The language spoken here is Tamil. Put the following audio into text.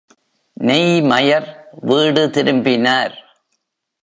நெய்மயர் வீடு திரும்பினார்.